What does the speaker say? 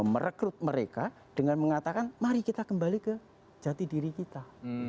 merekrut mereka dengan mengatakan mari kita kembali ke jati diri kita